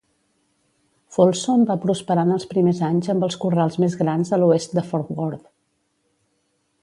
Folsom va prosperar en els primers anys amb els corrals més grans a l'oest de Fort Worth.